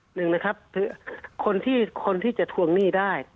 หนึ่งนะครับคนที่คนที่จะทวงหนี้ได้